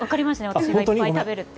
私がいっぱい食べるって。